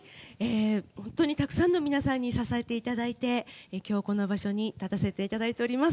本当にたくさんの皆さんに支えていただいて今日、この場所に立たせていただいております。